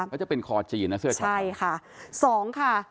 ก็จะเป็นคอจีนนะเสื้อความคิด